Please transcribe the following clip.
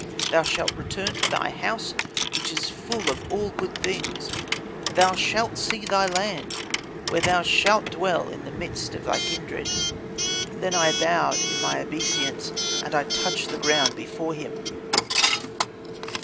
Thou shalt return to thy house which is full of all good things, thou shalt see thy land, where thou shalt dwell in the midst of thy kindred.' "Then I bowed, in my obeisance, and I touched the ground before him.